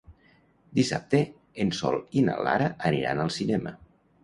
Dissabte en Sol i na Lara aniran al cinema.